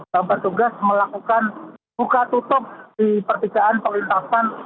bapak tugas melakukan buka tutup di perpikaan perlintasan